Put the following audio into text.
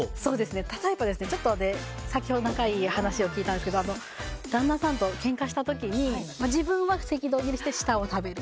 例えば、先ほど話を聞いたんですけど旦那さんとけんかした時に自分は赤道切りして下を食べる。